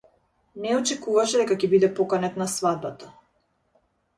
Не очекуваше дека ќе биде поканет на свадбата.